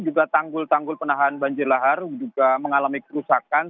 juga tanggul tanggul penahan banjir lahar juga mengalami kerusakan